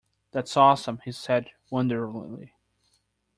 That’s awesome, he said wonderingly.